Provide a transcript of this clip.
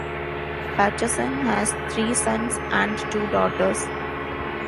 Patterson has three sons and two daughters.